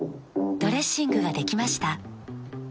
ドレッシングができました。